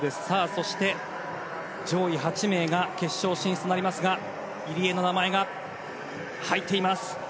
そして、上位８名が決勝進出となりますが入江の名前が入っています。